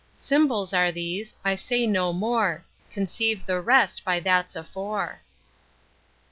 Symbols are these; I say no more, Conceive the rest by that's afore.